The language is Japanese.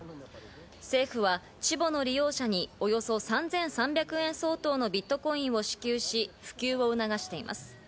政府はＣＨＩＶＯの利用者におよそ３３００円相当のビットコインを支給し普及を促しています。